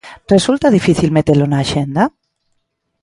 Resulta difícil metelo na axenda?